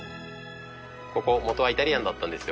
ここ元はイタリアンだったんですよ。